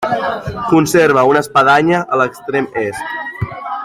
Conserva una espadanya a l'extrem est.